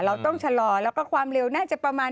เราต้องชะลอแล้วก็ความเร็วน่าจะประมาณ